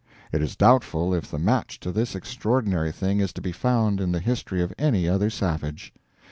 It is doubtful if the match to this extraordinary thing is to be found in the history of any other savage.